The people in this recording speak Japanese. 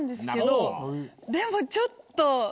でもちょっと。